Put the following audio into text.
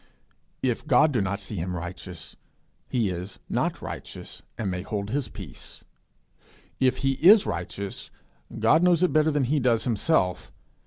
If God do not see him righteous, he is not righteous, and may hold his peace. If he is righteous, God knows it better than he does himself.